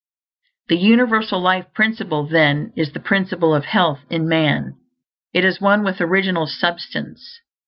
The universal Life Principle, then, is the Principle of Health in man. It is one with original substance.